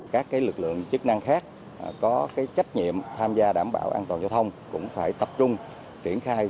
các lực lượng chức năng khác có trách nhiệm tham gia đảm bảo an toàn giao thông cũng phải tập trung triển khai